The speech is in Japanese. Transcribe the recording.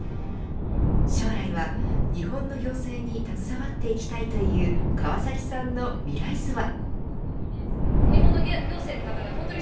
将来は日本の行政に携わっていきたいという川崎さんの未来図は。